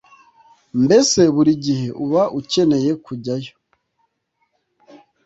mbese buri gihe uba ukeneye kujyayo